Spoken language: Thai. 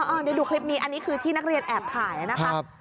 เดี๋ยวดูคลิปนี้อันนี้คือที่นักเรียนแอบถ่ายนะคะ